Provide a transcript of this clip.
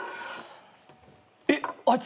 えっあいつ